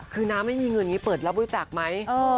คือน้าไม่มีเงินอย่างนี้เปิดรับบริจาคไหม